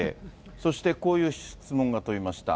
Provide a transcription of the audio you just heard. そしてこういう質問が飛びました。